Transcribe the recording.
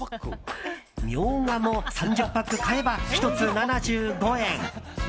ミョウガも３０パック買えば１つ７５円。